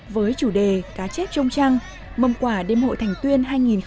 với chủ đề cá chép trông trăng mâm quả đêm hội thành tuyên hai nghìn một mươi sáu